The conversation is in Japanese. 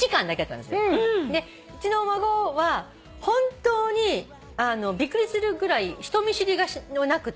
うちの孫は本当にびっくりするぐらい人見知りがなくて。